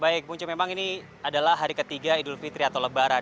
baik punca memang ini adalah hari ketiga idul fitri atau lebaran